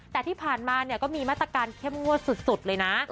แต่ที่ผ่านมาเนี่ยก็มีมาตรการเข้มงวดสุดเลยนะ